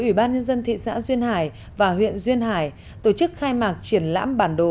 ủy ban nhân dân thị xã duyên hải và huyện duyên hải tổ chức khai mạc triển lãm bản đồ